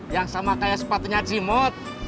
yang sama kaya sepatunya cimut